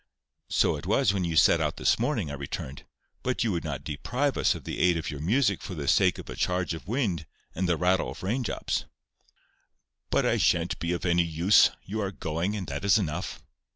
"So it was when you set out this morning," I returned; "but you would not deprive us of the aid of your music for the sake of a charge of wind, and a rattle of rain drops." "But I shan't be of any use. You are going, and that is enough."